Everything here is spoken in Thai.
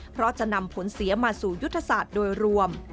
เพราะจะนำผลเสียมาสู่ยุทธศาสตร์โดยรวม